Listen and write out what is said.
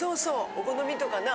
お好みとかな。